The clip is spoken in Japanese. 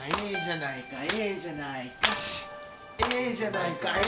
「ええじゃないかええじゃないかええじゃないか」